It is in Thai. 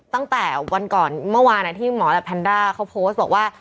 ตั้งแต่วันก่อนเมื่อวานที่หมอและแพนด้าเขาโพสต์บอกว่า